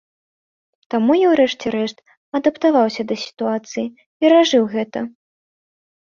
Таму я, урэшце рэшт, адаптаваўся да сітуацыі, перажыў гэта.